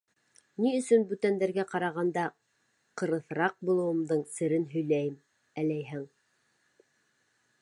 Ни өсөн бүтәндәргә ҡарағанда ҡырыҫыраҡ булыуымдың серен һөйләйем, әләйһәң.